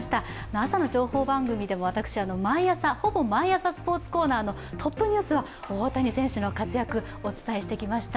朝の情報番組でも私、ほぼ毎朝、スポーツコーナーのトップニュースは大谷選手の活躍をお伝えしてきました。